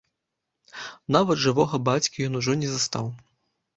Нават жывога бацькі ён ужо не застаў.